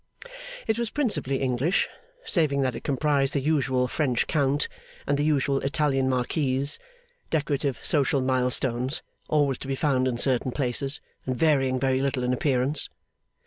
It was principally English; saving that it comprised the usual French Count and the usual Italian Marchese decorative social milestones, always to be found in certain places, and varying very little in appearance.